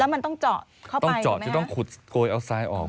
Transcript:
มันต้องเจาะเข้าไปต้องเจาะจะต้องขุดโกยเอาทรายออก